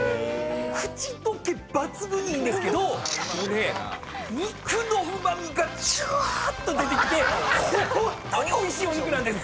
口どけ抜群にいいんですけどもうね肉のうま味がじゅわーっと出てきてホントにおいしいお肉なんです。